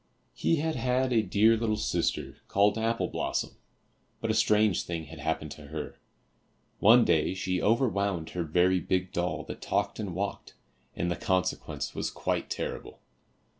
He had had a dear little sister, called Apple blossom, but a strange thing had happened to her. One day she over wound her very big doll that talked and walked, and the consequence was quite terrible.